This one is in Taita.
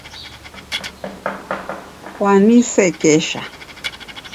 Kwanisekesha.